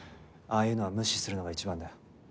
ああいうのは無視するのが一番だよ。